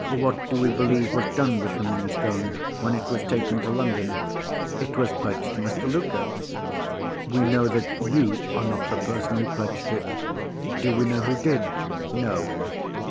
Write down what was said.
What do we believe was done with the Moonstone, when it was taken to London?" "It was pledged to Mr. Luker." "We know that you are not the person who pledged it. Do we know who did?" "No."